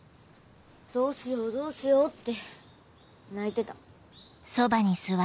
「どうしようどうしよう」って泣いてた。